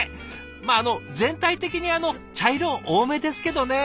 まああの全体的にあの茶色多めですけどね。